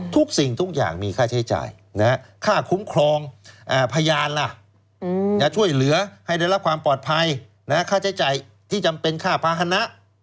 สิ่งทุกอย่างมีค่าใช้จ่ายค่าคุ้มครองพยานล่ะจะช่วยเหลือให้ได้รับความปลอดภัยค่าใช้จ่ายที่จำเป็นค่าภาษณะ